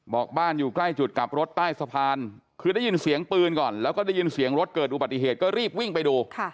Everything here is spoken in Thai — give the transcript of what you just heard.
บอกบ้านอยู่ใกล้จุดกลับรถใต้สะพานคือได้ยินเสียงปืนก่อนแล้วก็ได้ยินเสียงรถเกิดอุบัติเหตุก็รีบวิ่งไปดู